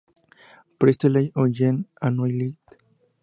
Priestley o Jean Anouilh.